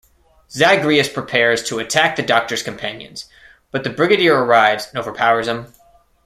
Zagreus prepares to attack the Doctor's companions, but the Brigadier arrives and overpowers him.